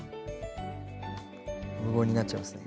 無言になっちゃいますね。